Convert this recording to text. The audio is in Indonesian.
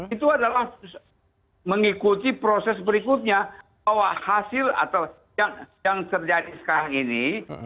itu adalah mengikuti proses berikutnya bahwa hasil atau yang terjadi sekarang ini